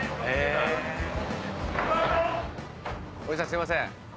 すいません。